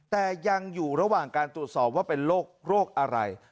แต่ยังอยู่ระหว่างการตรวจสอบว่าเป็นโรคอะไร